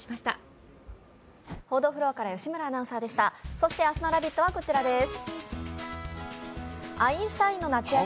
そして明日の「ラヴィット！」はこちらです。